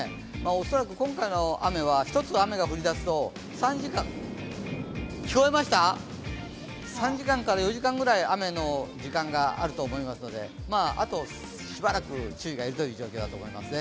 恐らく今回の雨は一つ雨が降り出すと３時間から４時間ぐらい雨が続くと思いますのであとしばらく注意が要るという状況だと思いますね。